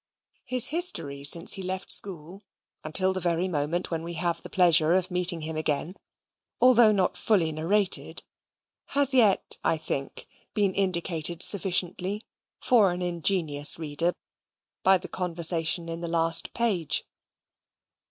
His history since he left school, until the very moment when we have the pleasure of meeting him again, although not fully narrated, has yet, I think, been indicated sufficiently for an ingenious reader by the conversation in the last page.